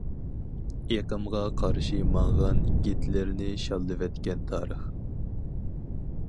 ئېقىمغا قارشى ماڭغان گىتلېرنى شاللىۋەتكەن تارىخ.